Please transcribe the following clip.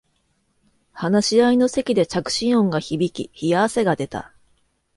話し合いの席で着信音が響き冷や汗が出た